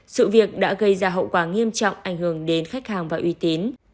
sự việc đã gây ra hậu quả nghiêm trọng ảnh hưởng đến khách hàng và uy tín